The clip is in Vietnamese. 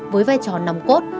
với vai trò nằm cốt